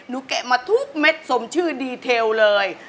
แกะมาทุกเม็ดสมชื่อดีเทลเลย